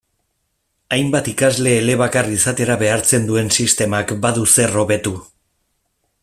Hainbat ikasle elebakar izatera behartzen duen sistemak badu zer hobetu.